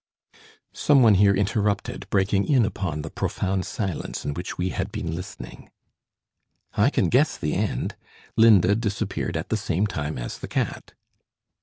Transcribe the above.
Some one here interrupted, breaking in upon the profound silence in which we had been listening. "I can guess the end. Linda disappeared at the same time as the cat."